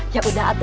ya udah atu